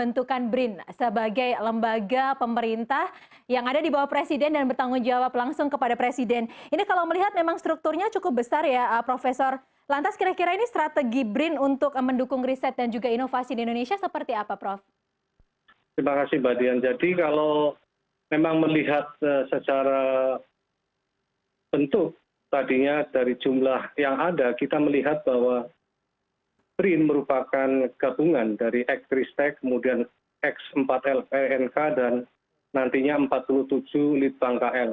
terima kasih mbak dian jadi kalau memang melihat secara bentuk tadinya dari jumlah yang ada kita melihat bahwa brin merupakan gabungan dari x tiga stec x empat lnk dan nantinya empat puluh tujuh lkl